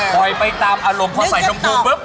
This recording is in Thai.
ปล่อยไปตามอารมณ์พอใส่นมทูลปุ๊บ